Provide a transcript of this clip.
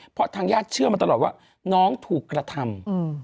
เพราะทางญาติเชื่อมาตลอดว่าน้องถูกกระทำ